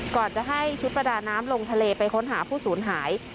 ก่อนจะให้ชุดประดาน้ำลงทะเลไปค้นหาผู้สูญหาย